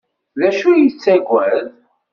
D acu ay yettaggad?